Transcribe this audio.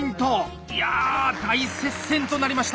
いや大接戦となりました！